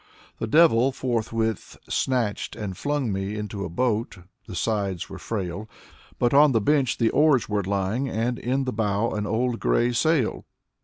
The Devil forthwith snatched and flung me Into a boat; the sides were frail. But on the bench the oars were lying And in the bow an old gray sail.